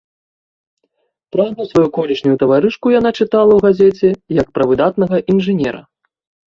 Пра адну сваю колішнюю таварышку яна чытала ў газеце як пра выдатнага інжынера.